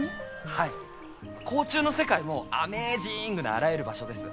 はい甲虫の世界もアメージングなあらゆる場所です。